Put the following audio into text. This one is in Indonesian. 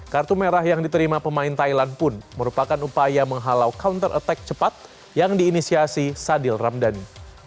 kartu merah yang diterima pemain thailand pun merupakan upaya menghalau counter attack cepat yang diinisiasi sadil ramdhani